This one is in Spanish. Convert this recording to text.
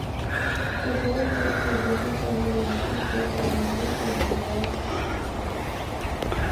Sugiere este estudioso que fue el erudito Pietro Bembo quien ideó esta escena alegórica.